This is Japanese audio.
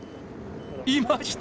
いました！